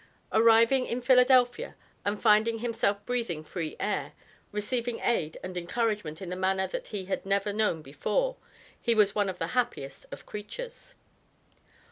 Arriving in Philadelphia, and finding himself breathing free air, receiving aid and encouragement in a manner that he had never known before, he was one of the happiest of creatures.